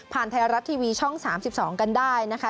ไทยรัฐทีวีช่อง๓๒กันได้นะคะ